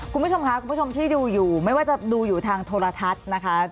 คุณผู้ชมค่ะคุณผู้ชมที่ดูอยู่ไม่ว่าจะดูอยู่ทางโทรทัศน์นะคะ